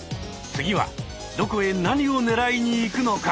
次はどこへ何をねらいに行くのか？